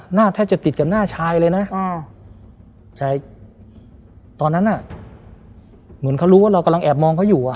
หน้าแทบจะติดกับหน้าชายเลยนะชายตอนนั้นอ่ะเหมือนเขารู้ว่าเรากำลังแอบมองเขาอยู่อ่ะ